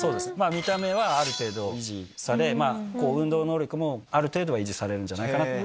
見た目はある程度維持され、運動能力もある程度は維持されるんじゃないかな。